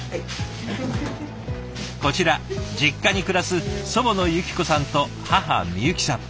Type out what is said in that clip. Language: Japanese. こちら実家に暮らす祖母の由紀子さんと母美由紀さん。